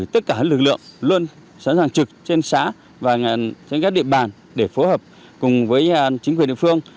tránh các địa bàn để phối hợp cùng với chính quyền địa phương